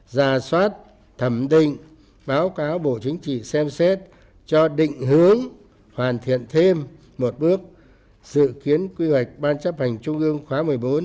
ra soát thẩm định báo cáo bộ chính trị xem xét cho định hướng hoàn thiện thêm một bước dự kiến quy hoạch ban chấp hành trung ương khóa một mươi bốn